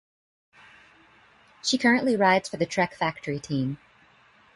She currently rides for the Trek Factory Team.